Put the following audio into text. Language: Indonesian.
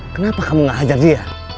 kenapa kamu gak hajar dia